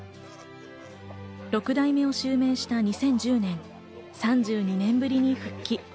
六代目を襲名した２０１０年、３２年ぶりに復帰。